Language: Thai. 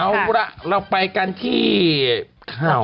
เอามาค่ะเอาละเราไปกันที่ข่าว